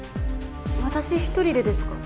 私一人でですか？